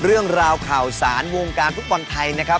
เรื่องราวข่าวสารวงการฟุตบอลไทยนะครับ